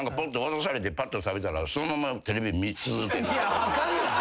いやあかんやん。